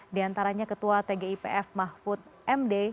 diantaranya ketua tgipf mahfud md